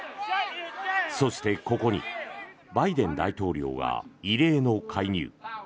そしてここにバイデン大統領が異例の介入。